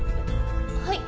はい。